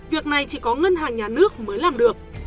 việc này chỉ có ngân hàng nhà nước mới làm được